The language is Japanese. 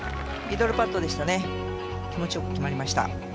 ミドルパットでしたね気持ちよく決まりました。